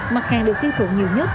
mặt hàng được tiêu thụ nhiều nhất